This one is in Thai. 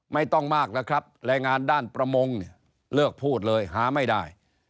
ไม่ต้องมากแล้วครับแรงงานด้านประมงเนี่ยเลิกพูดเลยหาไม่ได้